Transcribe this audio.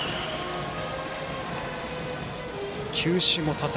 球種も多彩。